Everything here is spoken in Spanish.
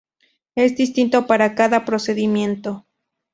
Es distinto para cada procedimiento.